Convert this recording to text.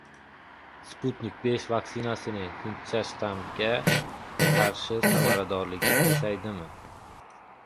"Sputnik V" vaksinasining hindcha shtammga qarshi samaradorligi pasaydimi?